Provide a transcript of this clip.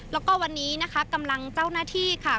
แล้วก็วันนี้นะคะกำลังเจ้าหน้าที่ค่ะ